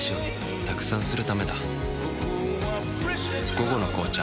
「午後の紅茶」